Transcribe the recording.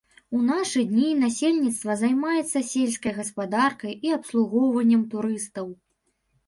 У нашы дні насельніцтва займаецца сельскай гаспадаркай і абслугоўваннем турыстаў.